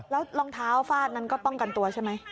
แล้วรองเท้าฟาดนั้นก็ป้องกันตัวใช่ไหม